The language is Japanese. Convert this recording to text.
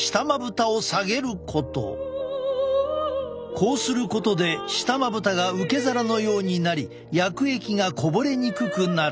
こうすることで下まぶたが受け皿のようになり薬液がこぼれにくくなる。